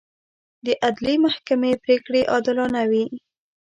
د عدلي محکمې پرېکړې عادلانه وي.